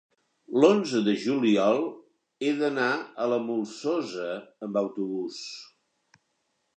l'onze de juliol he d'anar a la Molsosa amb autobús.